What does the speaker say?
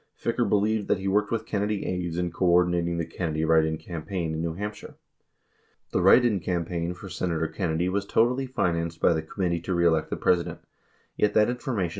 Ficker believed that he worked with Kennedy aides in co ordinating the Kennedy write in campaign in New Hampshire. 64 The write in campaign for Senator Kennedy was totally financed by the Committee To Re Elect the President, yet that information was " Ibid.